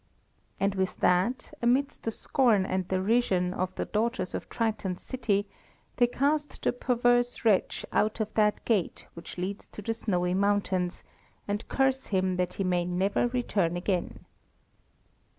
And with that, amidst the scorn and derision of the daughters of Triton's city, they cast the perverse wretch out of that gate which leads to the snowy mountains, and curse him that he may never return again.